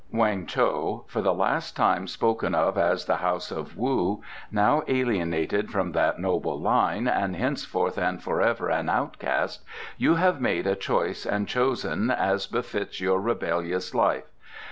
"Weng Cho, for the last time spoken of as of the House of Wu, now alienated from that noble line, and henceforth and for ever an outcast, you have made a choice and chosen as befits your rebellious life.